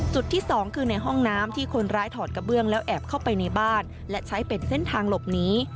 ที่สองคือในห้องน้ำที่คนร้ายถอดกระเบื้องแล้วแอบเข้าไปในบ้านและใช้เป็นเส้นทางหลบหนี